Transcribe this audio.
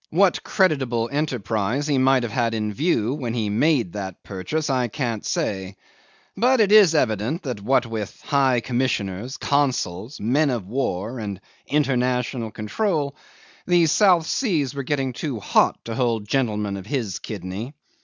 What creditable enterprise he might have had in view when he made that purchase I can't say, but it is evident that what with High Commissioners, consuls, men of war, and international control, the South Seas were getting too hot to hold gentlemen of his kidney.